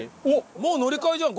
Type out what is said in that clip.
もう乗り換えじゃん。